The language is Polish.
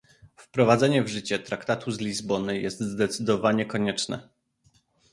Wprowadzenie w życie Traktatu z Lizbony jest zdecydowanie konieczne